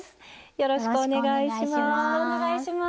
よろしくお願いします。